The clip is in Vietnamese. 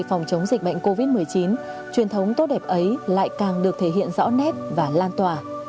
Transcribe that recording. phòng chống dịch bệnh covid một mươi chín truyền thống tốt đẹp ấy lại càng được thể hiện rõ nét và lan tỏa